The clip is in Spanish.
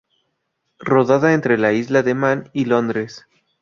Rodada entre la Isla de Man y Londres.